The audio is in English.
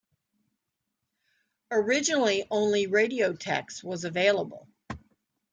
Originally only Radiotext was available.